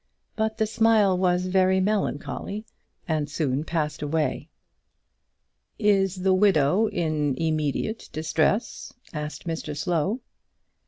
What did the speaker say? But the smile was very melancholy, and soon passed away. "Is the widow in immediate distress?" asked Mr Slow.